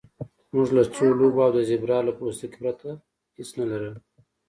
موږ له څو لوبو او د زیبرا له پوستکي پرته هیڅ نه لرل